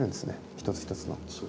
一つ一つの。